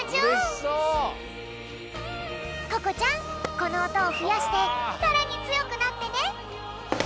このおとをふやしてさらにつよくなってね。